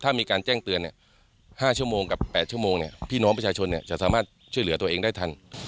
ถ้ามีการแจ้งเตือน๕ชั่วโมงกับ๘ชั่วโมงพี่น้องประชาชนจะสามารถช่วยเหลือตัวเองได้ทัน